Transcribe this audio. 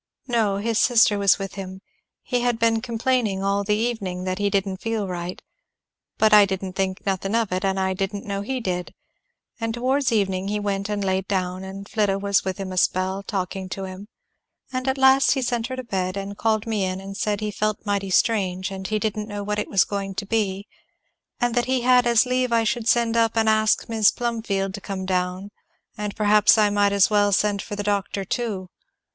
"No his sister was with him; he had been complaining all the evening that he didn't feel right, but I didn't think nothing of it and I didn't know as he did; and towards evening he went and laid down, and Flidda was with him a spell, talking to him; and at last he sent her to bed and called me in and said he felt mighty strange and he didn't know what it was going to be, and that he had as lieve I should send up and ask Mis' Plumfield to come down, and perhaps I might as well send for the doctor too.